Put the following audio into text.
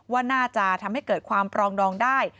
ว่าน่าจะทำให้เกิดความปรองดองได้